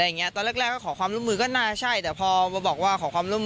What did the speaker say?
ตอนแรกแรกก็ขอความร่วมมือก็น่าใช่แต่พอมาบอกว่าขอความร่วมมือ